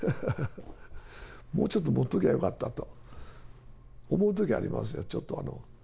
もうちょっと持っときゃよかったと思うときありますよ、ちょっと。